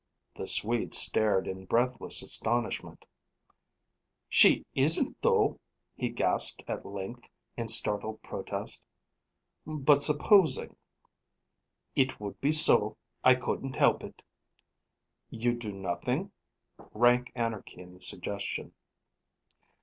The Swede stared in breathless astonishment. "She isn't, though" he gasped at length in startled protest. "But supposing " "It would be so. I couldn't help it." "You'd do nothing?" rank anarchy in the suggestion.